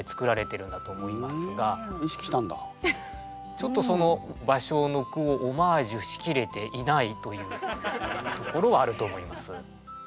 ちょっとその芭蕉の句をオマージュしきれていないというところはあると思います。